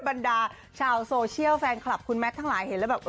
บรรดาชาวโซเชียลแฟนคลับคุณแมททั้งหลายเห็นแล้วแบบ